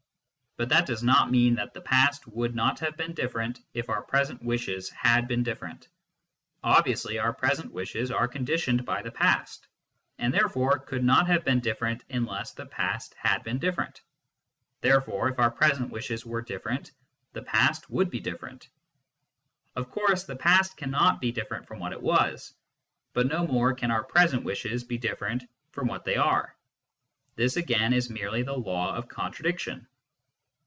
But that does not mean that the past would not have been different if our present wishes had been different. Obviously, our present wishes are conditioned by the past, and therefore could not have been different unless the past had been different ; therefore, if our present wishes were different, the past would be different. Of course, the past cannot be different from what it was, but no more can our present wishes be different from what they are ; this again is merely the law of contradiction.